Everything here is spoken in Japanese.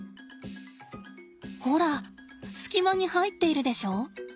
ほら隙間に入っているでしょ？